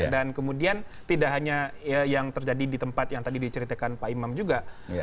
dan kemudian tidak hanya yang terjadi di tempat yang tadi diceritakan pak imam juga